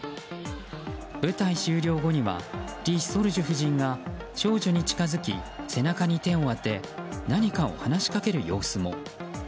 舞台終了後にはリ・ソルジュ夫人が少女に近づき背中に手を当て何かを話しかける様子も。